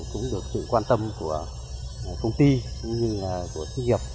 cũng được sự quan tâm của công ty cũng như là của doanh nghiệp